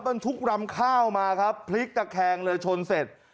บรรทุกรำข้าวมาครับพลิกตะแคงเลยชนเสร็จ